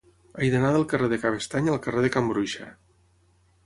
He d'anar del carrer de Cabestany al carrer de Can Bruixa.